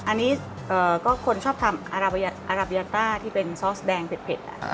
อันนี้ก็คนชอบทำอาราเบียต้าที่เป็นซอสแดงเผ็ด